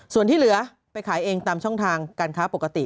ส่วนที่เหลือไปขายเองตามช่องทางการค้าปกติ